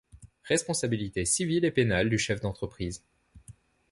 Responsabilité civile et pénale du chef d'entreprise.